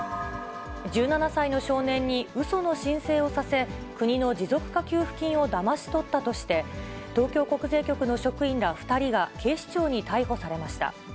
１７歳の少年にうその申請をさせ、国の持続化給付金をだまし取ったとして、東京国税局の職員ら２人が警視庁に逮捕されました。